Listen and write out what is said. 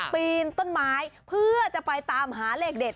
ปีนต้นไม้เพื่อจะไปตามหาเลขเด็ด